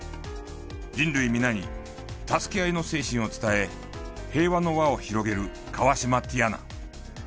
人類皆に助け合いの精神を伝え平和の輪を広げる河島ティヤナ。